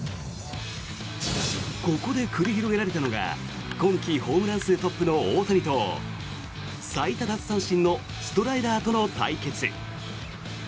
ここで繰り広げられたのが今季ホームラン数トップの大谷と最多奪三振のストライダーとの対決。